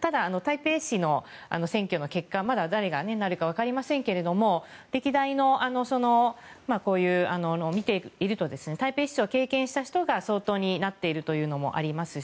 ただ、台北市の選挙の結果はまだ誰がなるか分かりませんけれども歴代のを見ていると台北市長を経験した人が総統になっているというのもあります。